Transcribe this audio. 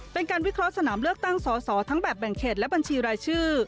เป็นการวิเคราะห์สนามเลือกตั้งสอสอทั้งแบบแบ่งเขตและบัญชีรายชื่อ